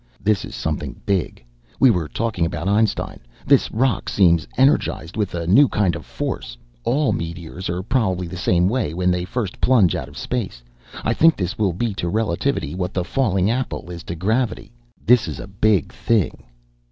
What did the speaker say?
"This is something big! We were talking about Einstein. This rock seems energized with a new kind of force: all meteors are probably the same way, when they first plunge out of space. I think this will be to relativity what the falling apple is to gravity. This is a big thing."